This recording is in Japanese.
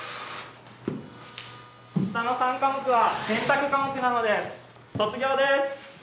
下の３科目は選択科目なので卒業です！